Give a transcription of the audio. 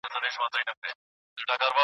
هووايي د ساتنې په لیست کې دی.